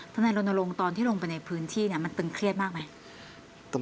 นายรณรงค์ตอนที่ลงไปในพื้นที่มันตึงเครียดมากไหม